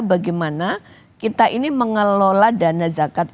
bagaimana kita ini mengelola dana zakat